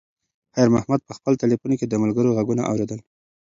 خیر محمد په خپل تلیفون کې د ملګرو غږونه اورېدل.